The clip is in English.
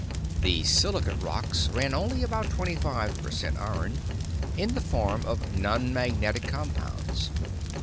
The silicate rocks ran only about twenty five per cent iron in the form of nonmagnetic compounds.